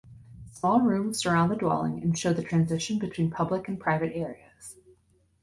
Small rooms surround the dwelling and show the transition between public and private areas.